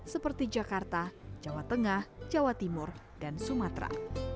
seperti jakarta jawa tengah jawa timur dan sumatera